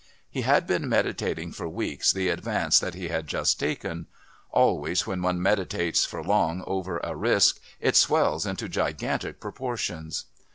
He had been meditating for weeks the advance that he had just taken; always when one meditates for long over a risk it swells into gigantic proportions.